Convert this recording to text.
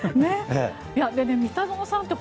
三田園さんって